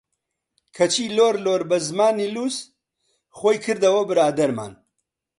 کەچی لۆر لۆر بە زمانی لووس، خۆی کردەوە برادەرمان!